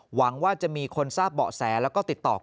หวังว่าจะมีคนทราบเบาะแสแล้วก็ติดต่อ